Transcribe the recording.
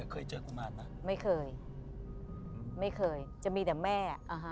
คุณแม่เคยเจอกุมานป่ะไม่เคยไม่เคยจะมีแต่แม่อ่ะฮะ